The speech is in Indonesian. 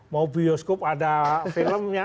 mau bioskop ada filmnya